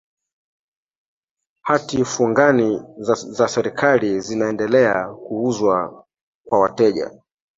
hati fungani za serikali zinaendelea kuuzwa kwa wateja